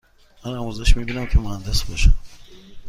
من آموزش می بینم که مهندس باشم.